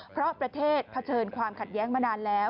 เพราะประเทศเผชิญความขัดแย้งมานานแล้ว